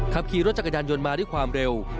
ขับขี่รถจักรยานยนต์มาด้วยความเร็ว